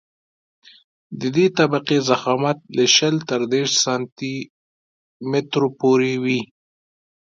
د دې طبقې ضخامت له شل تر دېرش سانتي مترو پورې وي